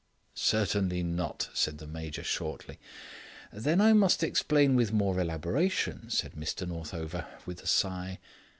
"Certainly not," said the Major shortly. "Then I must explain with more elaboration," said Mr Northover, with a sigh.